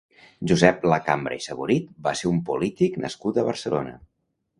Josep Lacambra i Saborit va ser un polític nascut a Barcelona.